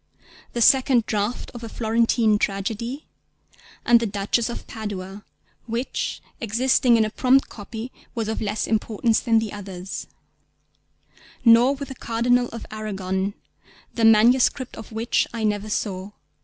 _, the second draft of A Florentine Tragedy, and The Duchess of Padua (which, existing in a prompt copy, was of less importance than the others); nor with The Cardinal of Arragon, the manuscript of which I never saw.